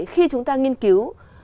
khi chúng ta nghiên cứu